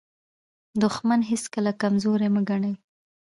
دښمن هیڅکله کمزوری مه ګڼئ.